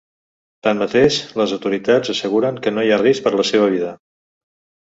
Tanmateix, les autoritats asseguren que no hi ha risc per la seva vida.